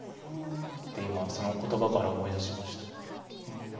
今その言葉から思い出しました。